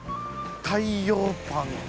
太養パン。